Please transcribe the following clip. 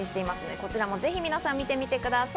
こちらもぜひ皆さん見てみてください。